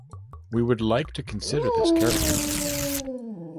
We would like to consider this carefully.